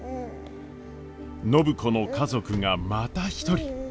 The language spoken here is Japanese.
暢子の家族がまた１人！